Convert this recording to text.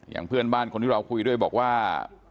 เพื่อนบ้านคนที่เราคุยด้วยบอกว่า